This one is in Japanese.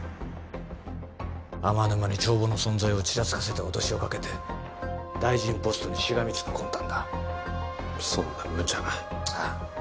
天沼に帳簿の存在をちらつかせて脅しをかけて大臣ポストにしがみつく魂胆だそんなムチャなああ